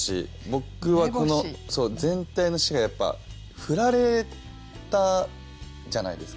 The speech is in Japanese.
僕はこの全体の詩がやっぱ振られたじゃないですか。